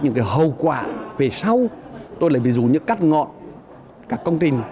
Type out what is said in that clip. những cái hậu quả về sau tôi lấy ví dụ như cắt ngọn các công trình